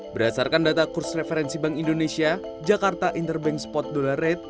berdasarkan data kurs referensi bank indonesia jakarta interbank spot dollar rate